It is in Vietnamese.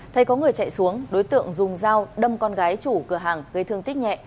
thấy có người chạy xuống đối tượng dùng dao đâm con gái chủ cửa hàng gây thương tích nhẹ